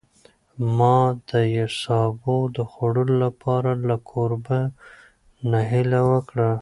ما د سابو د خوړلو لپاره له کوربه نه هیله وکړه.